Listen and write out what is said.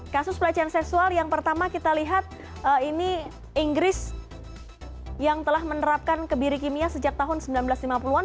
kasus pelecehan seksual yang pertama kita lihat ini inggris yang telah menerapkan kebiri kimia sejak tahun seribu sembilan ratus lima puluh an